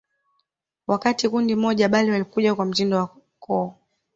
Wakiwa kundi moja bali walikuja kwa mtindo wa koo